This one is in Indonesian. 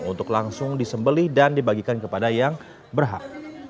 untuk langsung disembeli dan dibagikan kepada yang berhak